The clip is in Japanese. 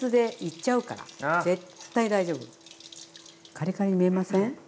カリカリに見えません？